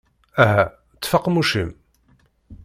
Aha, ṭṭef aqemmuc-im!